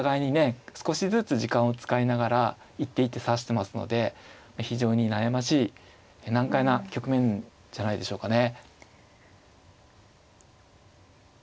少しずつ時間を使いながら一手一手指してますので非常に悩ましい難解な局面じゃないでしょうかね。